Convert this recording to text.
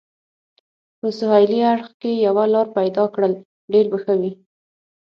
په سهېلي اړخ کې یوه لار پیدا کړل، ډېر به ښه وي.